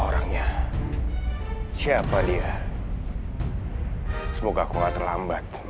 jangan berkata ini adalah name